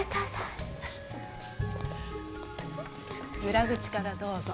裏口からどうぞ。